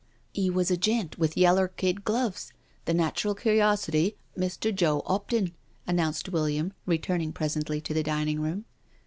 " He was a gent with yeller kid gloves — the natural curiosity, Mr. Joe 'Opton," announced William, re turning presently to the dining room.